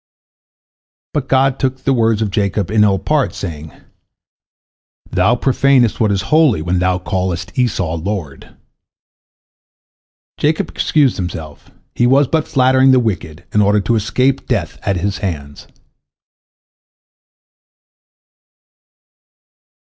But God took these words of Jacob in ill part, saying, "Thou profanest what is holy when thou callest Esau lord." Jacob excused himself; he was but flattering the wicked in order to escape death at his hands.